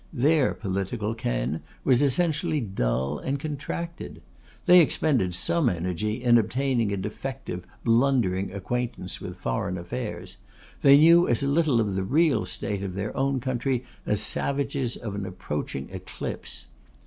Their political ken was essentially dull and contracted. They expended some energy in obtaining a defective, blundering acquaintance with foreign affairs; they knew as little of the real state of their own country as savages of an approaching eclipse.